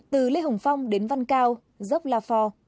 từ lê hồng phong đến văn cao dốc la phò